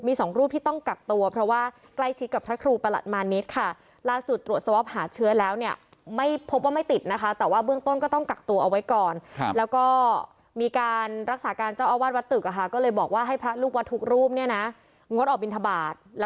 มี๒รูปที่ต้องกักตัวเพราะว่าใกล้ชิดกับพระครูประหลัดมานิษฐ์ค่ะ